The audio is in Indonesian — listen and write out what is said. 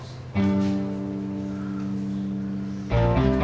ini baru rumah manusia